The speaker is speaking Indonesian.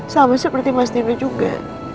sama seperti mas dino juga